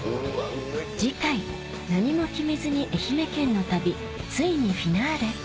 次回何も決めずに愛媛県の旅ついにフィナーレ！